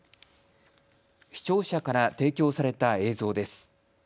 視聴者から提供された映像です。